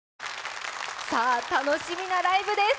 さあ楽しみなライブです。